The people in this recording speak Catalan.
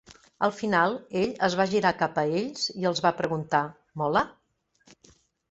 Al final, ell es va girar cap a ells i els va preguntar: "Mola?"